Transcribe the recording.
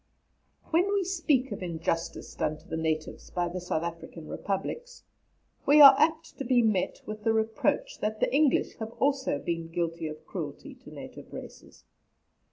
When we speak of injustice done to the natives by the South African Republics, we are apt to be met with the reproach that the English have also been guilty of cruelty to native races.